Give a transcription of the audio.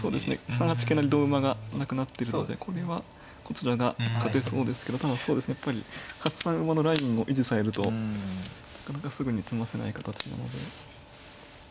３八桂成同馬がなくなってるのでこれはこちらが勝てそうですけどただやっぱり８三馬のラインを維持されるとなかなかすぐに詰ませない形なので。